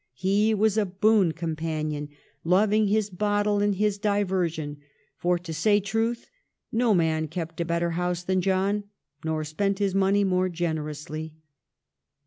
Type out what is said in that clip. He was ' A boon companion, loving his bottle and his diversion ; for, to say truth, no man kept a better house than John, nor spent his money more generously.'